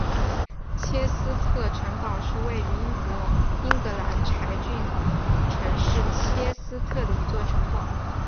切斯特城堡是位于英国英格兰柴郡城市切斯特的一座城堡。